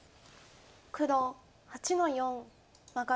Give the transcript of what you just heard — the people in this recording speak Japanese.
黒８の四マガリ。